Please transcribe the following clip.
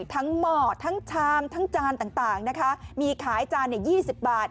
ทั้งหม้อทั้งชามทั้งจานต่างนะคะมีขายจานเนี่ย๒๐บาท